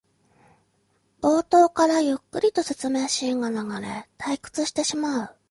冒頭からゆっくりと説明シーンが流れ退屈してしまう